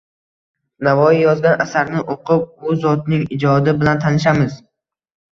Navoiy yozgan asarlarni o‘qib, u zotning ijodi bilan tanishamiz